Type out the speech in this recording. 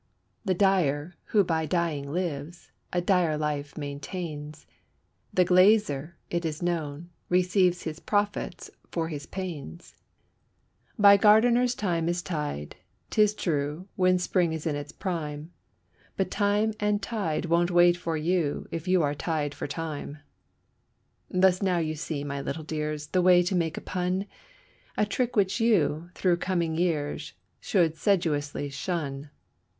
The dyer, who by dying lives, a dire life maintains; The glazier, it is known, receives his profits for his panes. By gardeners thyme is tied, 'tis true, when spring is in its prime; But time and tide won't wait for you if you are tied for time. Thus now you see, my little dears, the way to make a pun; A trick which you, through coming years, should sedulously shun.